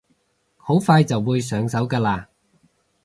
好快就會上手㗎喇